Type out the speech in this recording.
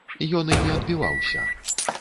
Ён і не адбіваўся.